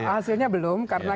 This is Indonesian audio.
hasilnya belum karena